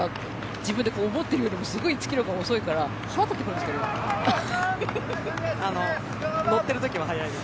自分で思ってるよりもすごい１キロが遅いから腹立ってくるんですけど乗ってる時は速いです。